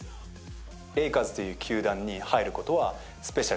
レイカーズという球団に入ることは、スペシャル。